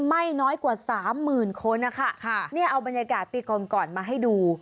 ไม่น้อยกว่าสามหมื่นคนนะคะค่ะเนี่ยเอาบรรยากาศปีก่อนก่อนมาให้ดู